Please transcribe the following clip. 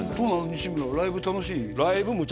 西村はライブ楽しい？